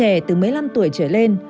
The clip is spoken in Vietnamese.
trẻ từ một mươi năm tuổi trở lên